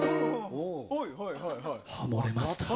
ハモれました。